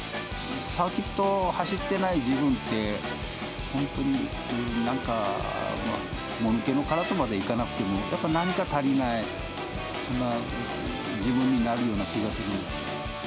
サーキットを走ってない自分って、本当になんか、もぬけの殻とまでいかなくても、やっぱり何か足りない、そんな自分になるような気がするんです。